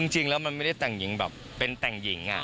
จริงแล้วมันไม่ได้แต่งหญิงแบบเป็นแต่งหญิง